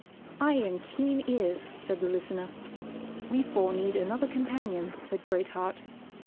"I am Keen Ears," said the listener. "We four need another companion," said Great Heart.